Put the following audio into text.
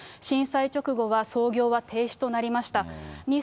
震災直後は操業は停止となりました。